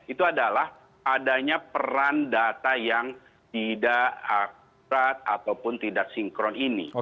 itu adalah adanya peran data yang tidak akurat ataupun tidak sinkron ini